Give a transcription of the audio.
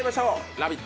「ラヴィット！」